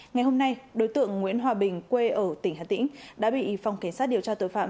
ngày hôm nay đối tượng nguyễn hòa bình quê ở tỉnh hà tĩnh đã bị phòng cảnh sát điều tra tội phạm